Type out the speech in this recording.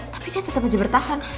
tapi dia tetap aja bertahan